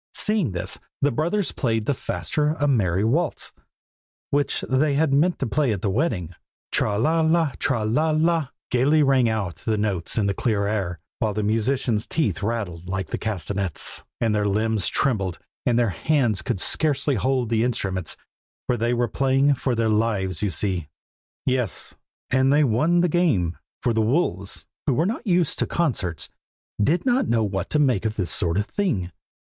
Seeing this, the brothers played the faster a merry waltz, which they had meant to play at the wedding. 'Tra la la! tra la la!' gaily rang out the notes in the clear air, while the musicians' teeth rattled like the castanets, and their limbs trembled, and their hands could scarcely hold the instruments; for they were playing for their lives, you see! yes, and they won the game, for the wolves, who were not used to concerts, did not know what to make of this sort of thing.